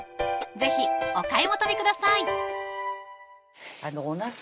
是非お買い求めくださいおなす